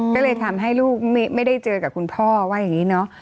ก็เลยทำให้ลูกไม่ได้เจอกับคุณพ่อว่าอย่างนี้เนอะ